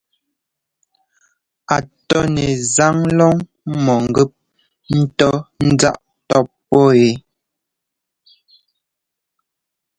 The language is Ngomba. A tɔ́ nɛ záꞌ lɔ́ŋ-mɔ̂ŋgɛ́p ńtɔ́ ńzáꞌ tɔ́pɔ́ wɛ.